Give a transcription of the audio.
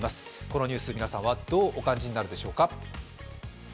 このニュース、皆さんはどうお感じになるでしょうか。